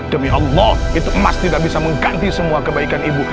demi allah itu emas tidak bisa mengganti semua kebaikan ibu